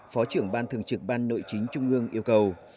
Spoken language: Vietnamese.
phó trưởng ban thường trực ban nội chính trung ương yêu cầu